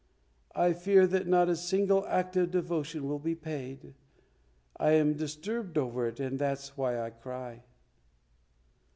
I fear that not a single act of devotion will be paid, I am disturbed over it, and that's why I cry."